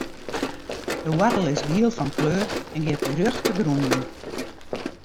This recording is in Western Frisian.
De woartel is giel fan kleur en giet rjocht de grûn yn.